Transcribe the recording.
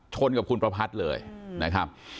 ชนกับคุณประพัทธ์เลยนะครับ